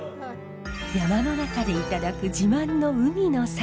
山の中でいただく自慢の海の幸。